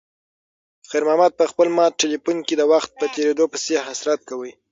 خیر محمد په خپل مات تلیفون کې د وخت په تېریدو پسې حسرت کاوه.